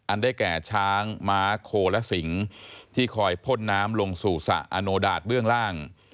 ได้แก่ช้างม้าโคลสิงที่คอยพ่นน้ำลงสู่สระอโนดาตเบื้องล่าง